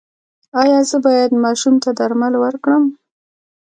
ایا زه باید ماشوم ته درمل ورکړم؟